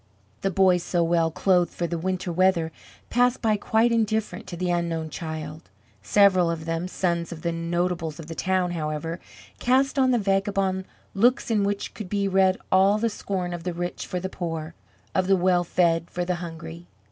The boys so well clothed for the winter weather passed by quite indifferent to the unknown child; several of them, sons of the notables of the town, however, cast on the vagabond looks in which could be read all the scorn of the rich for the poor, of the well fed for the hungry.